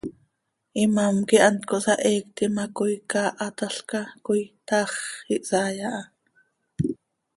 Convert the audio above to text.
Imám quih hant cohsaheectim ha coi caahatalca coi, taax ihsaai aha.